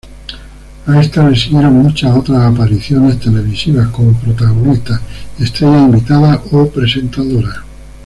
A esta le siguieron muchas otras apariciones televisivas, como protagonista, estrella invitada o presentadora.